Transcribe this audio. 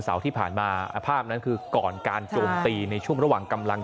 ที่ผ่านมาภาพนั้นคือก่อนการโจมตีในช่วงระหว่างกำลัง